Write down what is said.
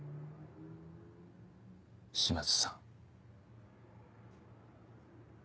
島津さん。